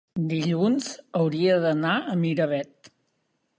dilluns hauria d'anar a Miravet.